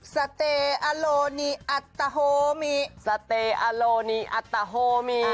สะเตะอาโลนีอัตตาโฮมิสะเตะอาโลนีอัตตาโฮมิ